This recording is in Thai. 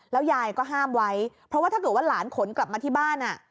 ยายก็ห้ามไว้เพราะว่าถ้าเกิดว่าหลานขนกลับมาที่บ้าน